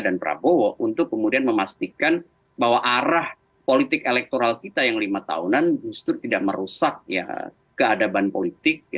dan prabowo untuk kemudian memastikan bahwa arah politik elektoral kita yang lima tahunan justru tidak merusak keadaban politik